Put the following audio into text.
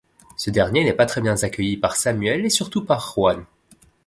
Ce dernier n'est pas très bien accueilli par Samuel et surtout par Juan.